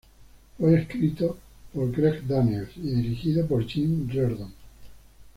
Fue escrito por Greg Daniels y dirigido por Jim Reardon.